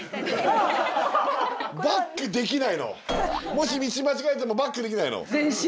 もし道間違えてもバックできないの？